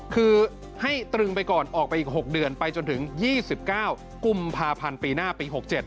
คือให้ตรึงไปก่อนออกไปอีก๖เดือนไปจนถึง๒๙กุมภาพันธ์ปีหน้าปี๖๗